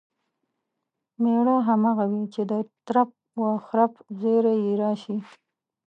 مېړه همغه وي چې د ترپ و خرپ زیري یې راشي.